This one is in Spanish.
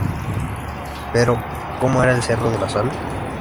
Pero ¿cómo era el Cerro de la Sal?